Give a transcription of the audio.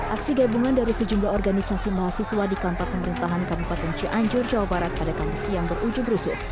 aksi gabungan dari sejumlah organisasi mahasiswa di kantor pemerintahan kabupaten cianjur jawa barat pada kamis siang berujung rusuh